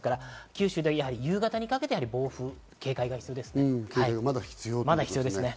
九州では夕方にかけて暴風に警戒が必要です。